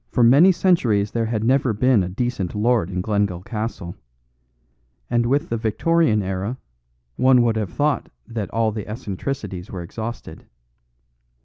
For many centuries there had never been a decent lord in Glengyle Castle; and with the Victorian era one would have thought that all eccentricities were exhausted.